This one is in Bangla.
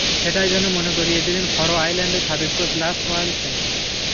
সেটাই যেন মনে করিয়ে দিলেন ফারো আইল্যান্ডের সাবেক কোচ লার্স ওলসেন।